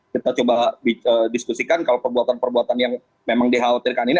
kita coba diskusikan kalau perbuatan perbuatan yang memang dikhawatirkan ini